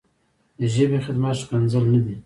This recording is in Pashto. د ژبې خدمت ښکنځل نه دي.